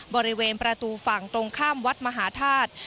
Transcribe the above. บริเวณประตูฝั่งตรงข้ามวัดมหาธาตุ